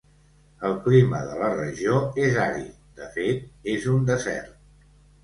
El clima de la regió és àrid, de fet és un desert.